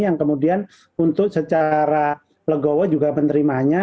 yang kemudian untuk secara legowo juga menerimanya